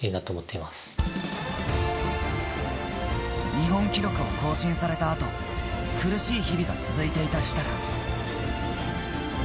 日本記録を更新された後苦しい日々が続いていた設楽。